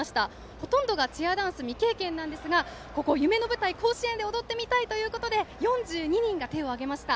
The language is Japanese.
ほとんどがチアダンス未経験なんですがここ、夢の舞台・甲子園で踊ってみたいということで４２人が手を上げました。